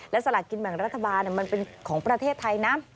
และสลากกินแบ่งรัฐบาลมันเป็นของประเทศไทยนะ